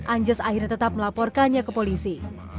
anja seakhirnya tetap melaporkannya ke polisi